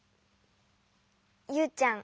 ユウちゃん